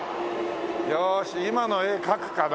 よし今の絵描くかな？